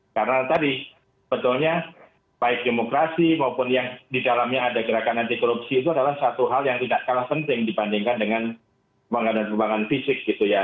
karena tadi betulnya baik demokrasi maupun yang di dalamnya ada gerakan anti korupsi itu adalah satu hal yang tidak kalah penting dibandingkan dengan pembangunan fisik gitu ya